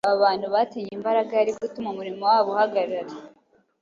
Aba bantu batinye imbaraga yari gutuma umurimo wabo uhagarara